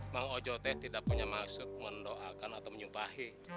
bang ojo teh tidak punya maksud mendoakan atau menyumpahi